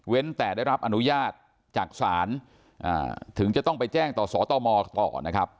เว้นแต่ได้รับอนุญาตจากสารอ่าถึงจะต้องไปแจ้งต่อสอต่อมอต่อนะครับ